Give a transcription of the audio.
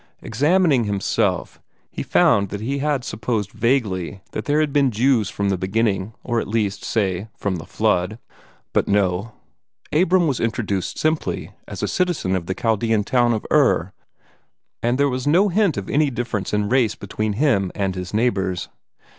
Examining himself, he found that he had supposed vaguely that there had been Jews from the beginning, or at least, say, from the flood. But, no, Abram was introduced simply as a citizen of the Chaldean town of Ur, and there was no hint of any difference in race between him and his neighbors.